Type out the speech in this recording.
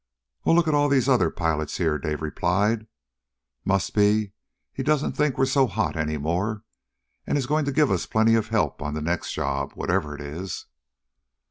"Well, look at all these other pilots here," Dave replied. "Must be he doesn't think we're so hot any more, and is going to give us plenty of help on the next job whatever it is."